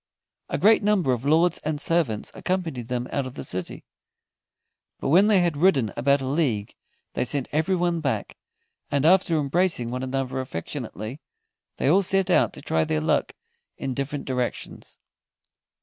A great number of lords and servants accompanied them out of the city, but when they had ridden about a league they sent everyone back, and after embracing one another affectionately, they all set out to try their luck in different directions.